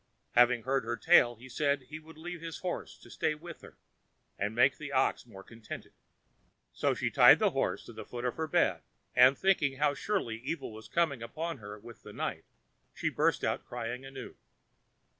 Having heard her tale, he said he would leave his horse to stay with her, and make the ox more contented. So she tied the horse to the foot of her bed, and, thinking how surely evil was coming upon her with the night, she burst out crying anew.